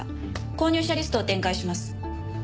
購入者リストを展開します。